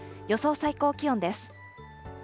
予想最高気温です。